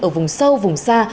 ở vùng sâu vùng xa